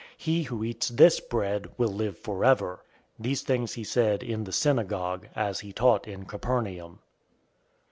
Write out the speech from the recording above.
He who eats this bread will live forever." 006:059 These things he said in the synagogue, as he taught in Capernaum.